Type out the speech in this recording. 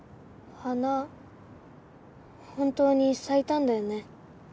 本当に咲いたんだよね。